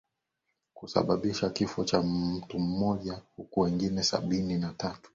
kusabisha kifo cha mtu mmoja huku wengine sabini na tatu